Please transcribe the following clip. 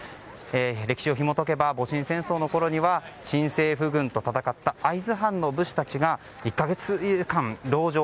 歴史をひも解けば戊辰戦争の時には新政府軍と戦った会津藩の武士たちが１か月間、籠城。